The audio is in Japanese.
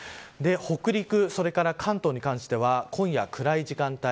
北陸、それから関東に関しては今夜、暗い時間帯